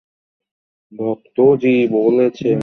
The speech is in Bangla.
ভগতজি বলেছেন তারা অনেক ভালো এবং সহজ-সরল।